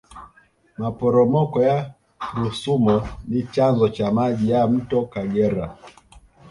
maporomoko ya rusumo ni chanzo cha maji ya mto kagera